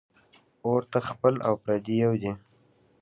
اور ته خپل او پردي یو دي